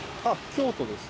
京都です